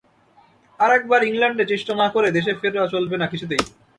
আর একবার ইংলণ্ডে চেষ্টা না করে দেশে ফেরা চলবে না কিছুতেই।